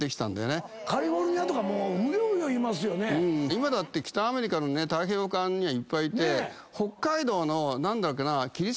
今だって北アメリカの太平洋側にはいっぱいいて。